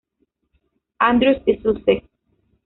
Andrews y Sussex.